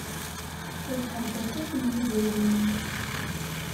Rebḥeɣ-d aṭas n yidrimen.